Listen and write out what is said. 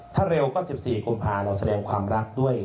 ถ้าเร็วก็๑๔กุมภาเราแสดงความรักด้วย